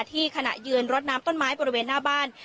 ขณะยืนรดน้ำต้นไม้บริเวณหน้าบ้าน